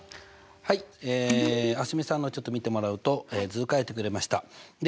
はいえ蒼澄さんのをちょっと見てもらうと図書いてくれました。